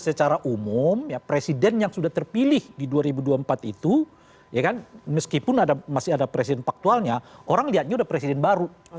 secara umum presiden yang sudah terpilih di dua ribu dua puluh empat itu meskipun masih ada presiden faktualnya orang lihatnya sudah presiden baru